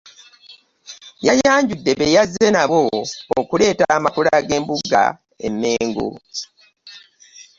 Yayanjudde be yazze nabo okuleeta amakula g’embuga e Mengo.